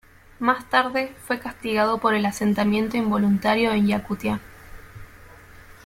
Más tarde, fue castigado por el asentamiento involuntario en Yakutia.